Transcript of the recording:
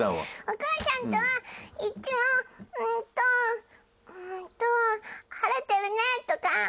お母さんとはいっつもうーんとうーんと「晴れてるね」とか。